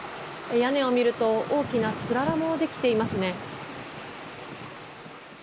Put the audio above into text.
屋根を見ると大きなつららもできていますね。